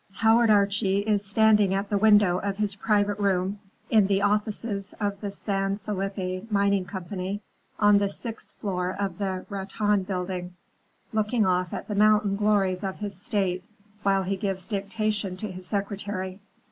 Howard Archie is standing at the window of his private room in the offices of the San Felipe Mining Company, on the sixth floor of the Raton Building, looking off at the mountain glories of his State while he gives dictation to his secretary.